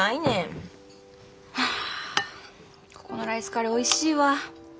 はあここのライスカレーおいしいわ。